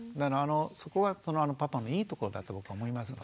そこはこのパパのいいとこだと思いますよね。